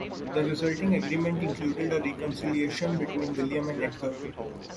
The resulting agreement included a reconciliation between William and Edgar.